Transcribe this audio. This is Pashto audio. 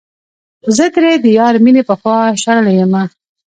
زه ترې د يار مينې پخوا شړلے يمه